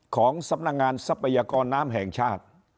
ของสำนักงานทรัพยากรน้ำแห่งชาติ